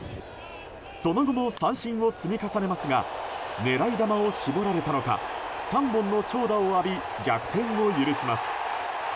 その後も三振を積み重ねますが狙い球を絞られたのか３本の長打を浴び逆転を許します。